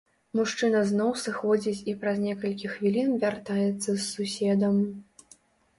Мужчына зноў сыходзіць і праз некалькі хвілін вяртаецца з суседам.